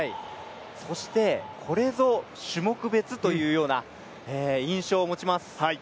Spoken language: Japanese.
そしてこれぞ、種目別というような印象を持ちます。